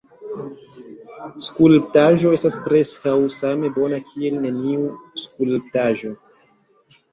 Skulptaĵo estas preskaŭ same bona kiel neniu skulptaĵo.